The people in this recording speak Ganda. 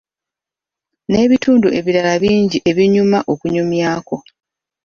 N'ebitundu ebirala bingi ebinyuma okunyumyako.